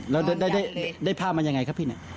อ๋อแล้วได้ภาพมันอย่างไรครับพี่หน่อย